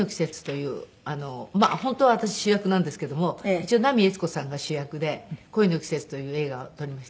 本当は私主役なんですけども一応奈美悦子さんが主役で『恋の季節』という映画を撮りまして。